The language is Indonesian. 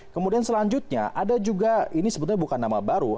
kemudian selanjutnya ada juga ini sebetulnya bukan nama baru